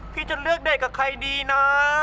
พี่จะเลือกเดทกับใครดีนะ